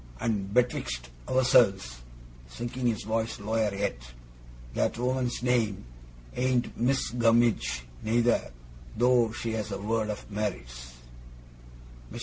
And betwixt ourselves,' sinking his voice lower yet, 'that woman's name ain't Missis Gummidge neither, though she has a world of merits.' Mr.